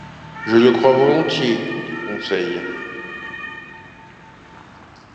Je le crois volontiers, dit Conseil.